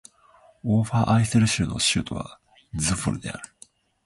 オーファーアイセル州の州都はズヴォレである